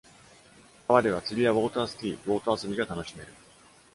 川では、釣りやウォータースキー、ボート遊びが楽しめる。